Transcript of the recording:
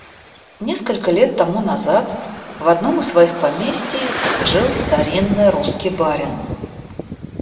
Несколько лет тому назад в одном из своих поместий жил старинный русский барин.